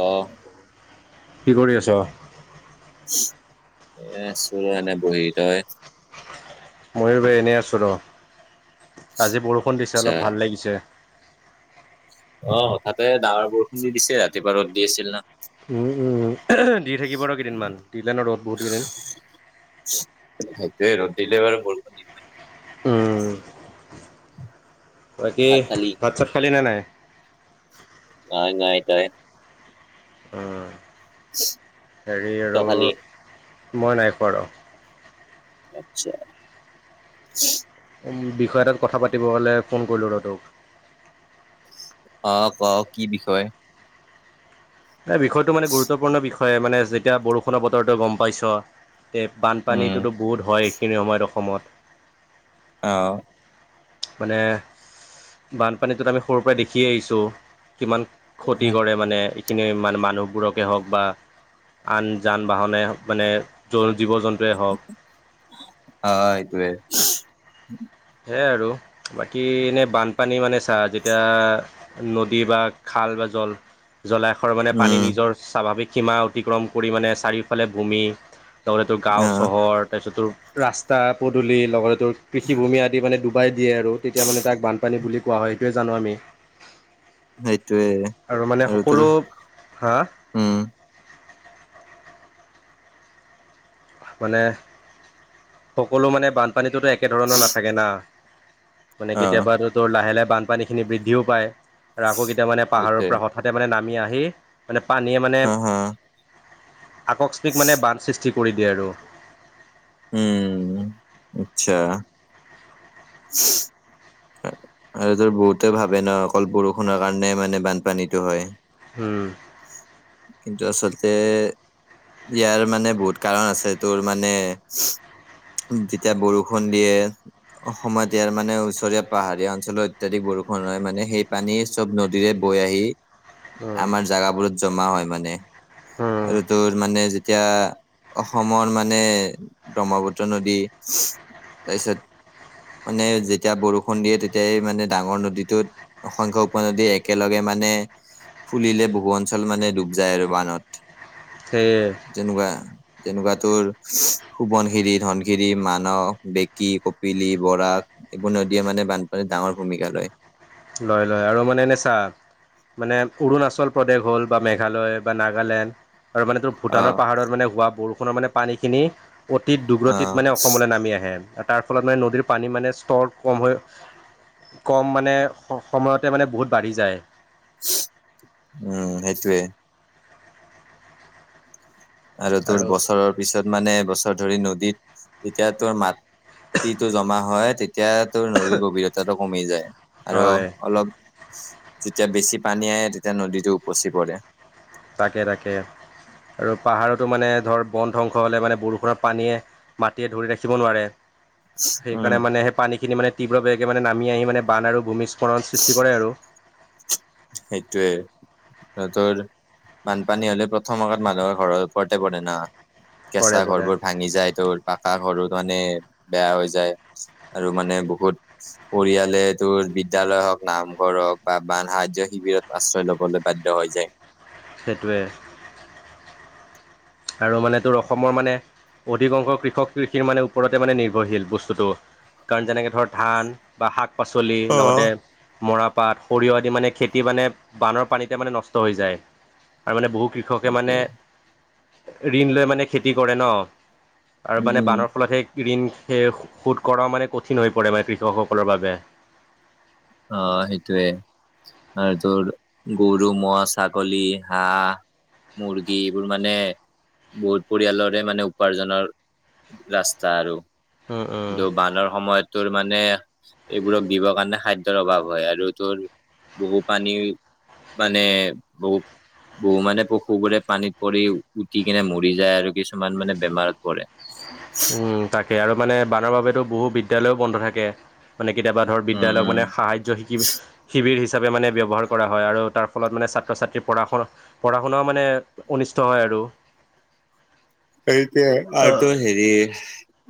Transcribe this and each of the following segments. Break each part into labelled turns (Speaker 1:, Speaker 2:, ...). Speaker 1: অ',
Speaker 2: কি কৰি আছ?
Speaker 1: এ অচো ৰ এনে বহি। তই?
Speaker 2: ময়ো ব এনেই আছোঁ ৰ [inaudible] আজি বৰষুণ দিছে
Speaker 1: আচ্ছা
Speaker 2: অলপ ভাল লাগিছে
Speaker 1: অ হঠাতে ডাৱৰ বৰষুণ দি দিছে ৰাতিপাৰত দি আছিল না
Speaker 2: উম উম দি থাকিব ৰ কেইদিনমান দিলে ন ৰ'দ বহুত কেইদিন
Speaker 1: [unintelligible] সেইতোয়ে ৰ'ট দিলে বাৰু ব ন
Speaker 2: উম বাকী
Speaker 1: ভাত খালি
Speaker 2: ভাত চাত খালি নে নাই
Speaker 1: নাই নাই দাই
Speaker 2: উম হেৰি
Speaker 1: তই
Speaker 2: আৰু
Speaker 1: খালি
Speaker 2: মই নাই খোৱা আৰু
Speaker 1: [inaudible]
Speaker 2: বিষয় এটাত কথা পাতিব হ'লে ফোন কৰিলোঁ ৰহ তোক
Speaker 1: অ', ক কি বিষয়
Speaker 2: এ বিষয়টো মানে গুৰুত্বপূৰ্ণ বিষয়ে মানে যেতিয়া বৰষুণৰ বতৰটো গম পাইছ
Speaker 1: উম
Speaker 2: বানপানীটোতো বহুত হয় এইখিনি সময়ত অসমত
Speaker 1: অ'
Speaker 2: মানে বানপানীটোত আমি সৰুৰ পৰাই দেখি আহিছোঁ কিমান ক্ষতি কৰে মানে খিনি মানে মান মানুহবোৰকে হওঁক বা আন যান বাহনে মানে জ জীৱ জন্তু টোৱে হওক
Speaker 1: অ', অ', এইটোৱে
Speaker 2: সেয়াই আৰু বাকী এনেই বানপানী মানে চা যেতিয়া নদী বা খাল বা জল জলাশয়ৰ মানে পানী
Speaker 1: উম
Speaker 2: নিজৰ স্বাভাৱিক সীমা অতিক্ৰম কৰি মানে চাৰিওফালে ভূমি লগতে তোৰ গাঁও
Speaker 1: অ',
Speaker 2: চহৰ তাৰপিছত তোৰ ৰাস্তা পদূলি লগতে তোৰ কৃষিভূমি আদি মানে ডুবাই দিয়ে আৰু তেতিয়া মানে তাক বানপানী বুলি কোৱা হয় এইটোয়ে জানো আমি।
Speaker 1: সেইটোৱে
Speaker 2: আৰু মানে সকলো হা
Speaker 1: উম
Speaker 2: মানে সকলো মানে বানপানীটোতো একেধৰণৰ নাথাকে না মানে
Speaker 1: অ',
Speaker 2: কেতিয়াবা তোৰ লাহে লাহে বানপানীখিনি বৃদ্ধিও পায় আৰু আকৌ কেতিয় মানে
Speaker 1: সেইটোৱে
Speaker 2: পাহাৰৰ হঠাতে মানে নামি আহি মানে পানীয়ে মানে
Speaker 1: হা হা
Speaker 2: আকস্মিক মানে বান সৃষ্টি কৰি দিয়ে আৰু।
Speaker 1: উম আচ্ছা আৰু তোৰ বহুতে ভাবে ন অকল বৰষুণৰ কাৰণে মানে বানপানীটো হয়।
Speaker 2: উম
Speaker 1: আচলতে ইয়াৰ মানে বহুত কাৰণ আছে তোৰ মানে যেতিয়া বৰষুণ দিয়ে অসমত ইয়াৰ মানে ওচৰীয়া পাহাৰীয়া অঞ্চলৰ অত্যাধিক বৰষুণ হয় মানে সেই পানী চব নদীৰে বৈ আহি
Speaker 2: উম
Speaker 1: আমাৰ জাগাবোৰত জমা হয় মানে
Speaker 2: উম
Speaker 1: আৰু তোৰ মানে যেতিয়া অসমৰ মানে ব্ৰহ্মপুত্ৰ নদী মানে যেতিয়া বৰষুণ দিয়ে তেতিয়াই মানে ডাঙৰ নদীটোত অসংখ্য উপনদী একেলগে মানে ফুলিলে বহু অঞ্চল মানে ডুব যায় আৰু বানত
Speaker 2: সেইটোৱেই
Speaker 1: যেনেকুৱা নেকুৱ তোৰ সোৱনশিৰি ধনশিৰি মানস বেকী কপিলি বৰাক ইবোৰ নদীয়ে মানে বানপানীত ডাঙৰ ভূমিকা দিয়ে
Speaker 2: লয় লয় আৰু মানে এনে চা মানে অৰুণাচল প্ৰদেশ হ'ল বা মেঘালয় বা নাগালেণ্ড আৰু তো ভূটানৰ
Speaker 1: অ',
Speaker 2: পাহাৰত মানে হোৱা বৰষুণৰ মানে পানীখিনি অতি
Speaker 1: অ',
Speaker 2: দুৰ্বতিত মানে অসমলৈ নামি আহে তাৰ ফলত মানে নদীৰ পানী মানে ষ্টৰ কম হৈ কম মানে সময়তে মানে বহুত বাঢ়ি যায়।
Speaker 1: উম, সেইটোৱে আৰু তোৰ বচৰৰ পিছত মানে এবছৰ ধৰি নদীত যেতিয়া তোৰ মাটিটো জমা হয় তেতিয়া তোৰ নদীৰ গভীৰতাটো কমি যায় আৰু
Speaker 2: হয়
Speaker 1: অলপ যেতিয়া বেছি পানী আহে তেতিয়া নদীতো উপচি পৰে
Speaker 2: তাকে তাকে আৰু পাহাৰতো মানে ধৰ বন ধ্বংস হ'লে মানে বৰষুণৰ পানীয়ে মাটিয়ে ধৰি ৰাখিব নোৱাৰে
Speaker 1: উম,
Speaker 2: সেইকাৰণে মানে সেই পানীখিনি মানে তীব্ৰ বেগে মানে নামি আহি মানে বান আৰু ভূমিস্ৰণ সৃষ্টি কৰে আৰু।
Speaker 1: সেইটোৱেই সিহঁতৰ বানপানী হ'লে প্ৰথম আগত মানুহৰ ঘৰৰ ওপৰতে পৰে না।
Speaker 2: পৰে
Speaker 1: কেঁচা
Speaker 2: পৰে
Speaker 1: ঘৰবোৰ ভাঙি যায় তোৰ পাকা ঘৰত মানে বেয়া হৈ যায় আৰু মানে বহুত পৰিয়ালে তোৰ বিদ্যালয় হওক নামঘৰ হওক বা বান সাহাৰ্য্য শিবিৰত আশ্ৰয় লবলৈ বাধ্য হৈ যায়।
Speaker 2: সেইটোৱে আৰু মানে তোৰ অসমৰ মানে অধিক অংশ কৃষক কৃষিৰ মানে ওপৰতে মানে নিৰ্ভৰশীল বস্তুটো কাৰণ যেনেকে ধৰ ধান বা শাক পাচলি লগতে মৰাপাট সৰিয়হ আদি মানে খেতি মানে বানৰ পানীতে মানে নষ্ট হৈ যায় আৰু মানে বহু কৃষ ক্ষকে
Speaker 1: সেইটোৱে
Speaker 2: মানে ঋণ লৈ মানে খেতি কৰে ন' আৰু
Speaker 1: উম
Speaker 2: মানে
Speaker 1: উম
Speaker 2: বানৰ ফলত সেই ঋণ সে শোধ কৰাও মানে কঠিন হৈ পৰে মানে কৃষক সকলৰ বাবে
Speaker 1: অ', সেইটোৱে আৰু তোৰ গৰু, ম'হ, ছাগলী, হাঁহ মুৰ্গী এইবোৰ মানে বহুত পৰিয়ালৰে মানে উপাৰ্জনৰ ৰাস্তা আৰু
Speaker 2: উম উম
Speaker 1: কিন্তু বানৰ সময়তো মানে এইবোৰক দিবৰ কাৰণে খাদ্য [unintelligible] অভাৱ হয় আৰু তোৰ বহু পানী মানে বহু বহু মানে পশুবোৰে পানীত পৰি উটি কিনে মৰি যায় আৰু কিছুমান মানে বেমাৰত পৰে। [inaudible]
Speaker 2: উম, তাকে আৰু মানে বানৰ বাবেতো বহু বিদ্যালয়ো বন্ধ থাকে। মানে কেতিয়াবা ধৰ
Speaker 1: উম,
Speaker 2: বিদ্যালয়ক
Speaker 1: উম।
Speaker 2: মানে সাহায্য শিকি শিবিৰ হিচাপে মানে ব্যৱহাৰ কৰা হয় আৰু তাৰ ফলত মানে ছাত্ৰ ছাত্ৰীৰ পঢ়া শুনা পঢ়া শুনাও মানে অনিষ্ট হয় আৰু।
Speaker 1: সেইটাৱে আৰু তোৰ হেৰি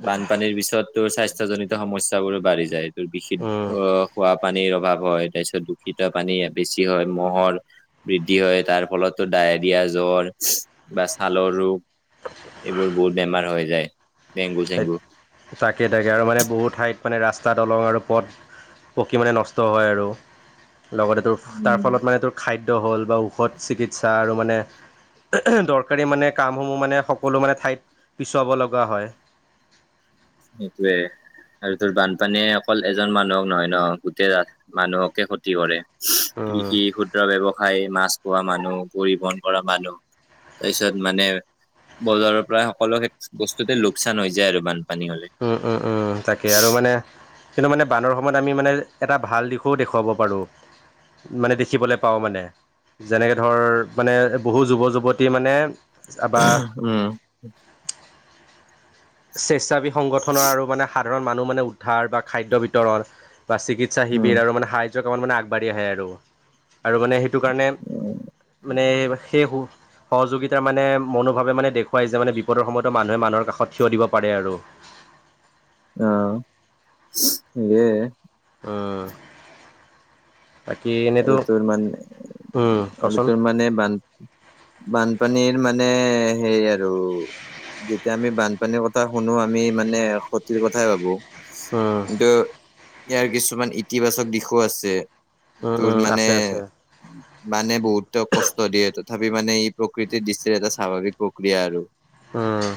Speaker 1: বানপানীৰ পিছত তোৰ স্বাস্থ্যজনিত সমস্যা বোৰো বাঢ়ি যায় এইটো বিশিদ্ধ
Speaker 2: উম
Speaker 1: খোৱা পানীৰ অভাৱ হয় তাৰ পিছত দূষিত পানী বেছি হয় মহ'ৰ বৃদ্ধি হয় তাৰ ফলতো ডায়েৰিয়া জ্বৰ বা ছালৰ ৰোগ এইবোৰ বহুত বেমাৰ হৈ যায়, ডেংগু চেংগু।
Speaker 2: তাকে তাকে আৰু মানে বহু ঠাইত মানে ৰাস্তা দলং আৰু পথ পকী মানে নষ্ট হয় আৰু লগতে তোৰ তাৰ
Speaker 1: উম,
Speaker 2: ফলত মানে তোৰ খাদ্য হ'ল বা ঔষধ চিকিৎসা আৰু মানে দৰকাৰী মানে কামসমূহ মানে সকলো মানে ঠাইত পিছুৱাব লগা হয়।
Speaker 1: সেইটোৱে আৰু তোৰ বানপানীয়ে অকল এজন মানুহক নহয় ন' গোটেই মানুহকে ক্ষতি কৰে।
Speaker 2: উম,
Speaker 1: কৃষি ক্ষুদ্ৰ ব্যৱসায় মাছ পোহা মানুহ, পৰিবহন কৰা মানুহ। তাৰপিছত মানে বজাৰৰ পৰা সকলো কে বস্তুতে লোকচান হৈ যায় আৰু মানু পানী হলে।
Speaker 2: উম, উম, উম, তাকে আৰু মানে কিন্তু মানে বানৰ সময়ত আমি মানে এটা ভাল দিশো দেখুৱাব পাৰোঁ। মানে দেখিবলৈ পাওঁ মানে যেনেকে ধৰ মানে বহু যুৱ যুৱতী মানে, আ, বা
Speaker 1: উম।
Speaker 2: স্বেচ্ছাবি সংগঠনৰ আৰু মানে সাধাৰণ মানুহ মানে উদ্ধাৰ বা খাদ্য বিতৰণ বা চিকিৎ ইচ্ছা
Speaker 1: উম,
Speaker 2: শিবিৰ আৰু মানে সাহায্য কামত মানে আগবাঢ়ি আহে আৰু। আৰু মানে সেইটো কাৰণে
Speaker 1: উম,
Speaker 2: মানে সেই স সহযোগিতাৰ মানে মনোভাৱে মানে দেখুৱাইছে মানে বিপদৰ সময়তো মানুহে মানুহৰ কাষত থিয় দিব পাৰে আৰু।
Speaker 1: অ'। [unintelligible]
Speaker 2: উম। বাকী এনেতো
Speaker 1: আৰু তোৰ মানে
Speaker 2: উম,
Speaker 1: আৰু
Speaker 2: কচোন
Speaker 1: তোৰ মানে বান বানপানীৰ মানে সেই আৰু যেতিয়া আমি বানপানীৰ কথা শুনোঁ, আমি মানে ক্ষতিৰ কথাই ভাবোঁ।
Speaker 2: উম,
Speaker 1: কিন্তু ইয়াৰ কিছুমান ইতিবাচক দিশোঁ আছে।
Speaker 2: উম,
Speaker 1: তোৰ
Speaker 2: উম,
Speaker 1: মানে
Speaker 2: আছে আছে।
Speaker 1: বানে বহুতক কষ্ট দিয়ে তথাপি মানে ই প্ৰকৃতিৰ দৃষ্টিৰ এটা স্বাভাৱিক প্ৰক্ৰিয়া আৰু।
Speaker 2: উম,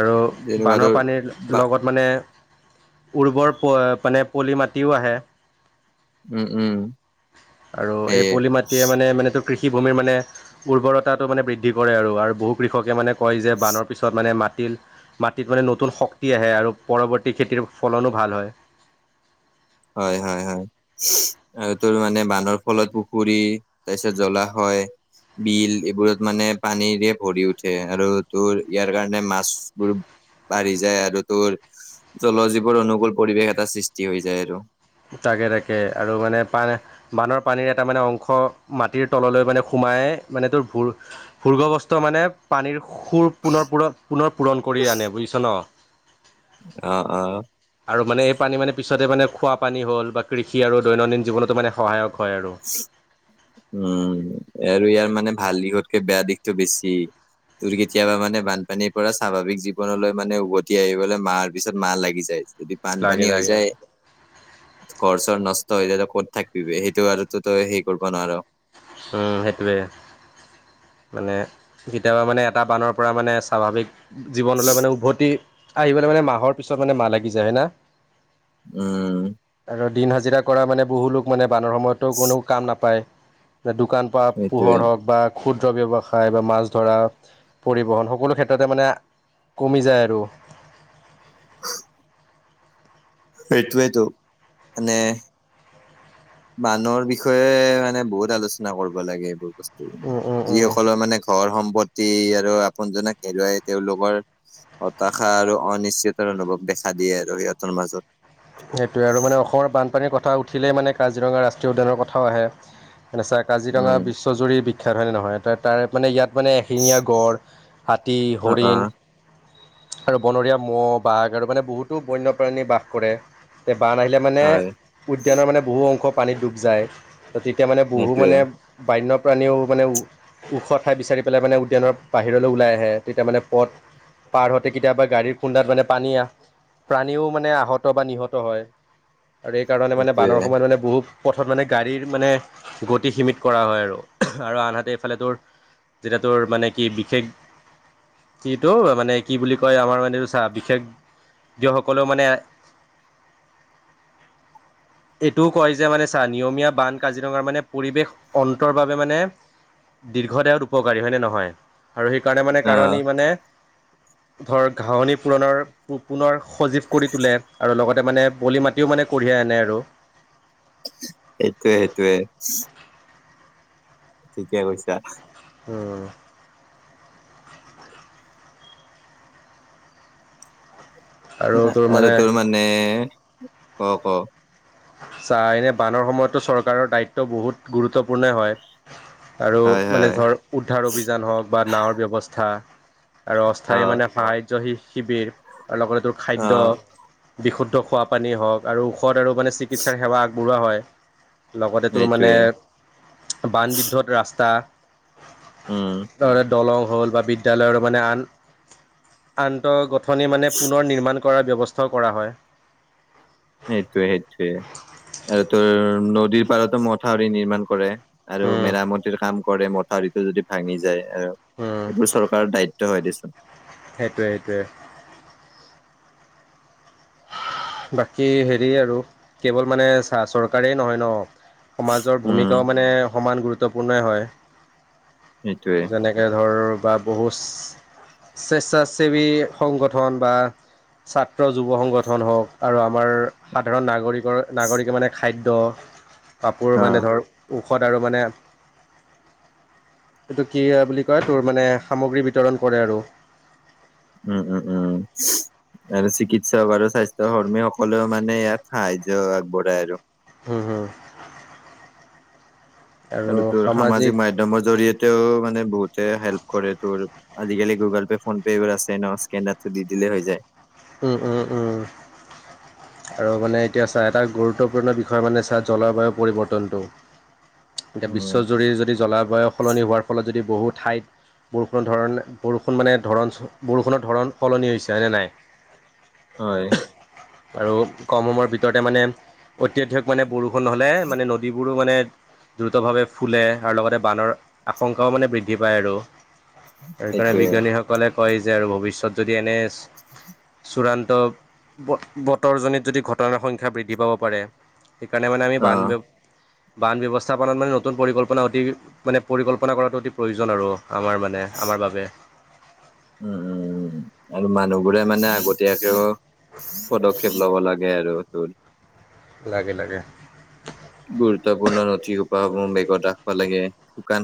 Speaker 2: আৰু
Speaker 1: যেনেকুৱা
Speaker 2: বানৰ
Speaker 1: তোৰ
Speaker 2: পানীৰ
Speaker 1: বা
Speaker 2: লগত মানে উৰ্বৰ প এ, পানে পলি মাটিও আহে।
Speaker 1: উম, উম।
Speaker 2: আৰু এই
Speaker 1: সেয়ে
Speaker 2: পলি মাটিয়ে মানে মানে তো কৃষিভূমিৰ মানে উৰ্বৰতাটো মানে বৃদ্ধি কৰে আৰু। আৰু বহু কৃষকে মানে কয় যে বানৰ- পিছত মানে মাটিৰ মাটিত মানে নতুন শক্তি আহে আৰু পৰৱৰ্তী খেতিৰ ফলনোঁ ভাল হয়।
Speaker 1: হয় হয় হয়। আৰু তোৰ মানে বানৰ ফলত পুখুৰী, তাৰপিছত জলাশয় বিল এইবোৰত মানে পানীৰে ভৰি উঠে আৰু তোৰ ইয়াৰ কাৰণে মাছবোৰ বাঢ়ি যায় আৰু তোৰ জলজীৱৰ অনুকুল পৰিৱেশ এটা সৃষ্টি হৈ যায় আৰু।
Speaker 2: তাকে তাকে আৰু মানে পান এ বানৰ পানীৰ এটা মানে অংশ মাটিৰ তললৈ মানে সোমাই মানে তোৰ ভোৰ ভূৰ্গবস্তু মানে পানীৰ সুৰ পুনৰ পূৰ পুনৰ পূৰণ কৰি আনে বুইছ ন'।
Speaker 1: অ', অ'।
Speaker 2: আৰু মানে এই পানী মানে পিছতে মানে খোৱা পানী হ'ল বা কৃষি আৰু দৈনন্দিন জীৱনতো মানে সহায়ক হয় আৰু।
Speaker 1: উম আৰু ইয়াৰ মানে ভাল দিশতকে বেয়া দিশটো বেছি। তোৰ কেতিয়াবা মানে বানপানীৰ পৰা স্বাভাৱিক জীৱনলৈ মানে উভতি আহিবলৈ মাহাৰ পিছত মাহ লাগি যায়। যদি
Speaker 2: লাগে
Speaker 1: বানপানী হৈ
Speaker 2: লাগে
Speaker 1: যায় ঘৰ চৰ নষ্ট হৈ যায় ত' ক'ত থাকিবি সেইটো আৰুতো তই হেৰি কৰিব নোৱাৰ।
Speaker 2: উম, সেটোৱে। মানে কেতিয়াবা মানে এটা বানৰ পৰা মানে স্বাভাৱিক জীৱনলৈ মানে উভতি আহিবলৈ মানে মাহৰ পিছত মানে মাহ লাগি যায় না।
Speaker 1: উম।
Speaker 2: আৰু দিন হাজিৰা কৰা মানে বহু লোক মানে বানৰ সময়তো কোনো কাম নাপায়। দোকান বা
Speaker 1: সেইটোৱে
Speaker 2: পোহৰ হওঁক বা খুদ ক্ষুদ্ৰ ব্যৱসায় বা মাছ ধৰা, পৰিবহণ সকলো ক্ষেত্ৰতে মানে কমি যায় আৰু।
Speaker 1: [inaudible] হেইতুৱেটো নে বানৰ বিষয়ে মানে বহুত আলোচনা কৰিব লাগে এইবোৰ বস্তু মানে।
Speaker 2: উম উম
Speaker 1: যিয়ে
Speaker 2: উম
Speaker 1: সক কলৰ মানে ঘৰ সম্পত্তি আৰু আপোনজনক হেৰুৱাই তেওঁলোকৰ হতাশা আৰু অনিশ্চিত অনুভৱ দেখা দিয়ে আৰু সিহঁতৰ মাজত।
Speaker 2: সেইটোৱে আৰু মানে অসমৰ বানপানীৰ কথা উঠিলেই মানে কাজিৰঙা ৰাষ্ট্ৰীয় উদ্যানৰ কথাও আহে। [unintelligible] কাজিৰঙা
Speaker 1: উম,
Speaker 2: বিশ্বজুৰি বিখ্যাত হয়নে নহয় ত' তাৰ মানে ইয়াত মানে এশিঙীয়া গঁড় হাতী,
Speaker 1: অ', অ'।
Speaker 2: হৰিণ আৰু বনৰীয়া মহ', বাঘ আৰু মানে বহুতো বন্যপ্ৰাণী বাস কৰে। বান আহিলে মানে
Speaker 1: হয়
Speaker 2: উদ্যানৰ মানে বহু অংশ পানীত ডুব যায়। ত তেতিয়া মানে বহু
Speaker 1: সেইটোৱে
Speaker 2: মানে বন্যপ্ৰাণীও মানে ওখ ঠাই বিচাৰি পেলাই মানে উদ্যানৰ বাহিৰলৈ ওলাই আহে। তেতিয়া মানে পথ পাৰ হতে কেতিয়াবা গাড়ীৰ খুন্দাত মানে পানী প্ৰানীও মানে আহত বা নিহত হয়। আৰু সেই কাৰণে মানে
Speaker 1: সেইটোৱে
Speaker 2: বানৰ সময়ত মানে বহুত পথত মানে গাড়ীৰ মানে গতি সীমিত কৰা হয় আৰু। আৰু আনহাতে এইফালে তোৰ যেতিয়া তোৰ মানে কি বিশেষ মানে কি বুলি কয় আমাৰ মানে এইটো চা বিশেষ দসকলেও মানে এইটোও কয় যে মানে চা নিয়মীয়া বান কাজিৰঙাৰ মানে পৰিৱেশ অন্তৰ বাবে মানে দীৰ্ঘদায়ত উপকাৰী হয়নে নহয়। আৰু সেইকাৰণে মানে
Speaker 1: অ
Speaker 2: কাৰণ ই মানে ধৰ ঘহনি পূৰণৰ পুনৰ সজীৱ কৰি তোলে। আৰু লগতে মানে বলি মাটিও মানে কঢ়িয়াই আনে আৰু।
Speaker 1: সেইটোৱে সেইটোৱে। ঠিকে কৈছা।
Speaker 2: উম।
Speaker 1: আৰু তোৰ মানে ক ক।
Speaker 2: চা এনে বানৰ সময়ততো চৰকাৰৰ দায়িত্ব বহুত গুৰুত্বপূৰ্ণই হয়। আৰু
Speaker 1: হয় হয়
Speaker 2: মানে ধৰ উদ্ধাৰ অভিযান হওক বা নাৱৰ ব্যৱস্থা। আৰু
Speaker 1: অ
Speaker 2: অস্থায়ী মানে সাহাৰ্য্য শিবিৰ আৰু লগতে তোৰ
Speaker 1: অ
Speaker 2: খাদ্য, বিশুদ্ধ খোৱা পানী হওঁক আৰু ঔষধ আৰু মানে চি চিকিৎসাৰ সেৱা আগবঢ়োৱা হয়। লগতে তোৰ
Speaker 1: সেইটোৱে
Speaker 2: মানে বানবিদ্ধত ৰাস্তা
Speaker 1: উম।
Speaker 2: দলং হ'ল বা বিদ্যালয়ৰ মানে আন আন্তগাথ গাথনি মানে পুনৰ নিৰ্মাণ কৰাৰ ব্যৱস্থাও কৰা হয়।
Speaker 1: সেইটোৱে সেইটোৱে। আৰু তোৰ নদীৰ পাৰাতো মথাউৰি নিৰ্মাণ কৰে। আৰু
Speaker 2: উম
Speaker 1: মেৰামতিৰ কাম কৰে। মথাউৰিটো যদি ভাঙি যায় আৰু
Speaker 2: উম
Speaker 1: এইবোৰ চৰকাৰৰ দায়িত্ব হয় দেচোন।
Speaker 2: সেইটোৱে সেইটোৱে। বাকী হেৰি আৰু কেৱল মানে চা চৰকাৰেই নহয় ন সমাজৰ ভূমিকাও
Speaker 1: উম
Speaker 2: মানে সমান গুৰুত্বপূৰ্ণই হয়।
Speaker 1: সেইটোৱে
Speaker 2: যেনে এ ধৰ বা বহুচ স্বেচ্ছাসেৱী সংগঠন বা ছাত্ৰ যুৱ সংগ গঠন হওক আৰু আমাৰ সাধাৰণ নাগৰিকৰ নাগৰিকে মানে খাদ্য কাপোৰ
Speaker 1: অ
Speaker 2: মানে ধৰ ঔষধ আৰু মানে এইটো কি বুলি কয় তোৰ মানে সামগ্ৰী বিতৰণ কৰে আৰু।
Speaker 1: উম উম উম। আৰু চিকিৎসক আৰু স্বাস্থ্য কৰ্মী সকলেও মানে ইয়াত সাহাৰ্য্য আগবঢ়াই আৰু।
Speaker 2: হুম হুম।
Speaker 1: আৰু তোৰ সামাজিক মাধ্যমৰ জৰিয়তেও মানে বহুতে হেল্প কৰে তোৰ আজিকালি গুগল পে, ফোন পে এইবোৰ আছে ন স্কেনাৰটো দি দিলেই হৈ যায়।
Speaker 2: উম উম। আৰু মানে এতিয়া চা এটা গুৰুত্বপূৰ্ণ বিষয় মানে চা জলবায়ু পৰিৱৰ্তনটো। এতিয়া
Speaker 1: উম
Speaker 2: বিশ্বজুৰি যদি জলাবায়ু সলনি হোৱাৰ ফলত যদি বহু ঠাইত বৰষুণৰ ধৰণ বৰষুণ মানে ধৰণ বৰষুণৰ ধৰণ সলনি হৈছে হয়নে নাই?
Speaker 1: হয়।
Speaker 2: আৰু কম সময়ৰ ভিতৰতে মানে অত্যাধিক মানে বৰষুণ হ'লে মানে নদীবোৰো মানে দ্ৰুতভাৱে ফুলে আৰু লগতে বানৰ আশংকাও মানে বৃদ্ধি পায় আৰু। সেইকাৰণে
Speaker 1: সেইটোৱে
Speaker 2: বিজ্ঞানীসকলে কয় যে আৰু ভৱিষ্যত যদি এনে
Speaker 1: [inaudible]
Speaker 2: চূড়ান্ত ব-বতৰজনিত যদি ঘটনাৰ সংখ্যা বৃদ্ধি পাব পাৰে। সেইকাৰণে মানে আমি
Speaker 1: অ
Speaker 2: বান ব্য বান ব্যৱস্থাপনাত মানে নতুন পৰিকল্পনা অতি মানে পৰিকল্পনা কৰাটো অতি প্ৰয়োজন আৰু আমাৰ মানে আমাৰ বাবে।
Speaker 1: উম, উম, উম। আৰু মানুহবোৰে মানে আগতীয়াকেও পদক্ষেপ ল'ব লাগে আৰু তোৰ।
Speaker 2: লাগে লাগে।
Speaker 1: গুৰুত্বপূৰ্ণ নথি সোপাসমূহ বেগত ৰাখিব লাগে, শুকান